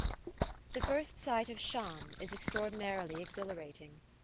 The first sight of Chame is extraordinarily exhilarating.